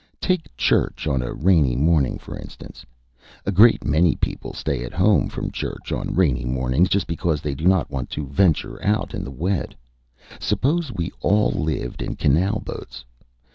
Take church on a rainy morning, for instance. A great many people stay at home from church on rainy mornings just because they do not want to venture out in the wet. Suppose we all lived in canal boats?